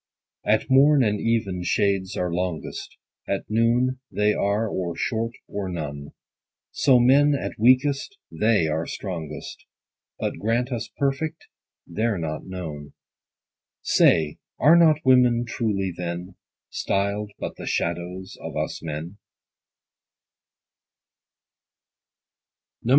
At morn and even shades are longest ; At noon they are or short, or none : So men at weakest, they are strongest, But grant us perfect, they're not known. 10 Say, are not women truly, then, Styl'd but the shadows of us men